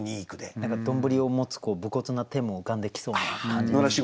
何か丼を持つ武骨な手も浮かんできそうな感じですね。